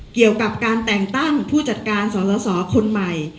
เกี่ยวกับการแต่งตั้งผู้จัดการสสคนใหม่